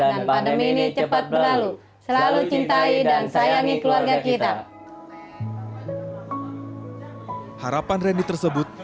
dan pandemi ini cepat berlalu selalu cintai dan sayangi keluarga kita harapan reni tersebut